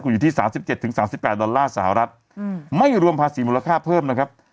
อยู่ที่๓๗๓๘ดอลลาร์สหรัฐไม่รวมภาษีมูลค่าเพิ่มนะครับ